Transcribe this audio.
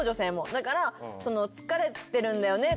だから「疲れてるんだよね」